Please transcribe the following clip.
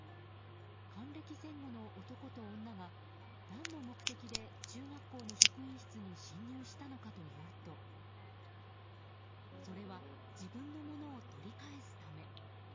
還暦前後の男と女が何の目的で中学校の職員室に侵入したのかというとそれは自分のものを取り返すため。